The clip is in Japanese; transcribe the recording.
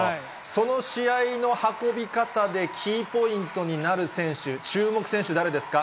その試合の運び方でキーポイントになる選手、注目選手、誰ですか？